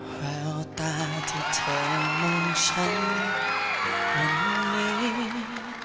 แววตาที่เธอมุ่งฉันเหมือนเหมือนนี้